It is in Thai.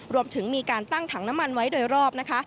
รวมถึงมีการตั้งถังน้ำมันไว้โดยรอบนะคะ